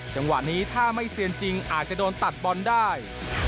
จังหวะนี้ถ้าไม่เซียนจริงอาจจะโดนตัดบอลได้